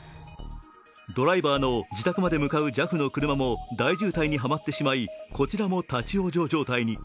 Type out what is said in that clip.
ドライバーの自宅まで向かうＪＡＦの車も大渋滞にハマってしまいこちらも立往生状態に。